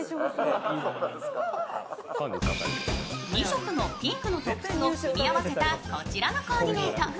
２色のピンクのトップスを組み合わせたこちらのコーディネート。